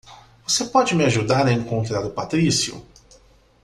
Você pode me ajudar a encontrar o Patrício?